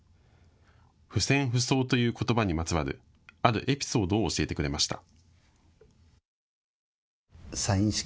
不戦不争ということばにまつわるあるエピソードを教えてくれました。